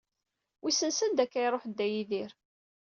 Wissen sanda akka i iṛuḥ Dda Yidir.